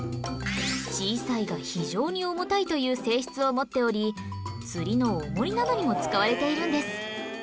小さいが非常に重たいという性質を持っており釣りの重りなどにも使われているんです